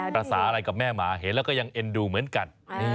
ภาษาอะไรกับแม่หมาเห็นแล้วก็ยังเอ็นดูเหมือนกัน